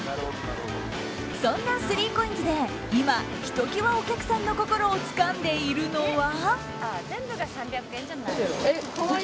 そんなスリーコインズで今、ひと際お客さんの心をつかんでいるのは。